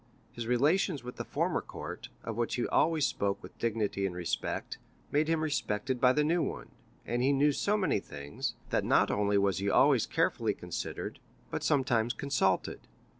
His relations with the former court, of which he always spoke with dignity and respect, made him respected by the new one, and he knew so many things, that not only was he always carefully considered, but sometimes consulted.